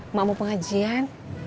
emak mau pengajian